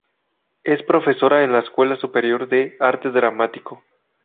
Es profesora en la Escuela Superior de Arte Dramático.